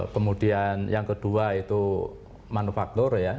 kemudian yang kedua itu manufaktur ya